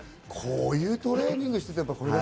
こういうトレーニングをしていて。